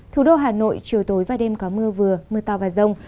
thủ đô hà nội chiều tối và đêm có mưa vừa mưa to và rông